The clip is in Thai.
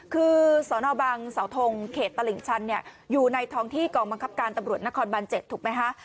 คือสนบังเสาทงเขตตลิ่งชันเนี่ยอยู่ในท้องที่กองบังคับการตำรวจนครบัน๗ถูกไหมคะ